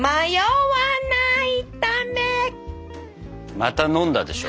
また飲んだでしょ？